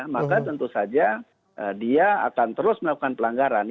maka tentu saja dia akan terus melakukan pelanggaran